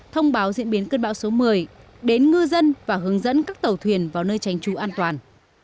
thông báo diễn biến cơn bão số một mươi đến ngư dân và hướng dẫn các tàu thuyền vào nơi tránh trú an toàn